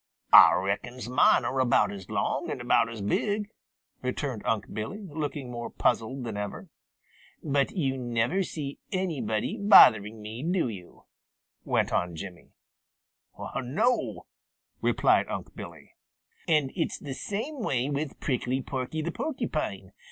"Ah reckons mine are about as long and about as big," returned Unc' Billy, looking more puzzled than ever. "But you never see anybody bothering me, do you?" went on Jimmy. "No," replied Unc' Billy. "And it's the same way with Prickly Porky the Porcupine.